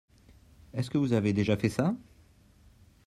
Est-ce que vous avez déjà fait ça ?